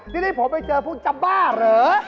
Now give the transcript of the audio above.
ทีนี้ผมไปเจอพวกจับบ้าเหรอ